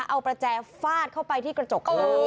เอาประแจฟาดเข้าไปที่กระจกเธอ